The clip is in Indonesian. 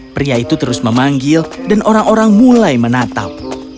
pria itu terus memanggil dan orang orang mulai menatap